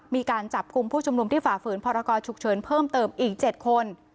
มีการจับกลุ่มผู้ชุมนุมที่ฝ่าฝืนพรกรฉุกเฉินเพิ่มเติมอีก๗คน